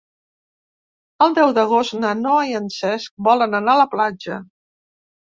El deu d'agost na Noa i en Cesc volen anar a la platja.